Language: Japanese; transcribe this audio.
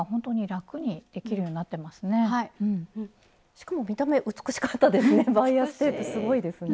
しかも見た目美しかったですね。